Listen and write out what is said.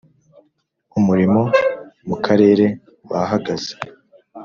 Umurimo mu Karere wahagaze